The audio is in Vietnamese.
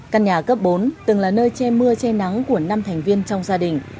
căn nhà cấp bốn từng là nơi che mưa che nắng của năm thành viên trong gia đình